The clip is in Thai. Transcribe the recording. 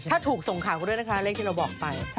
ถ้าถูกส่งข่าวไปด้วยนะคะเลขที่เราบอกไป